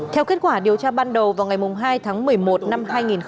theo kết quả điều tra ban đầu vào ngày hai tháng một mươi một năm hai nghìn hai mươi